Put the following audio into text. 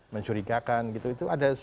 mencurigakan gitu itu ada